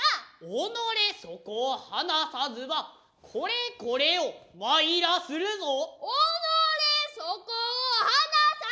己そこを放さずばこれこれを参らするぞ。